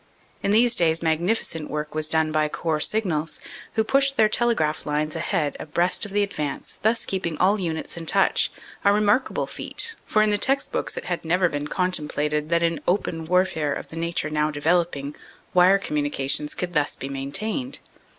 In these days magnificent work was done by Corps Signals, who pushed their telegraph lines ahead abreast of the advance, thus keeping all units in touch, a remarkable feat, for in the text books it had never been contemplated that in open warfare of the nature now developing wire communi 335 336 CANADA S HUNDRED DAYS cations could thus be maintained.